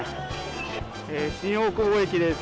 新大久保駅です。